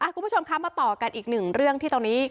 คุณผู้ชมคะมาต่อกันอีกหนึ่งเรื่องที่ตอนนี้